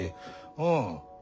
うん。